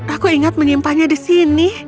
aku ingat menyimpannya di sini